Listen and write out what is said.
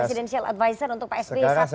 presidential advisor untuk pak sby